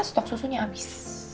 stok susunya habis